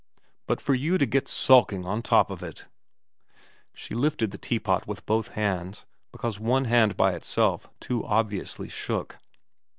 But for you to get sulking on the top of it ' She lifted the teapot with both hands, because one hand by itself too obviously shook.